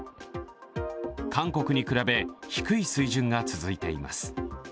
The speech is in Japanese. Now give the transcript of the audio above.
韓国に比べ低い水準が続いています。